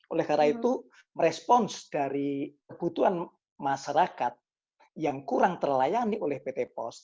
oleh karena itu merespons dari kebutuhan masyarakat yang kurang terlayani oleh pt pos